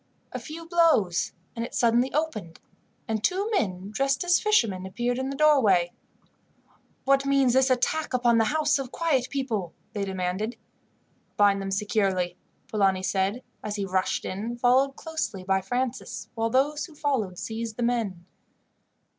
A few blows, and it suddenly opened, and two men dressed as fishermen appeared in the doorway. "What means this attack upon the house of quiet people?" they demanded. "Bind them securely," Polani said, as he rushed in, followed closely by Francis, while those who followed seized the men.